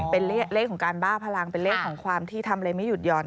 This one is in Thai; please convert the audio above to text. เป็นเลขของการบ้าพลังเป็นเลขของความที่ทำอะไรไม่หยุดห่อน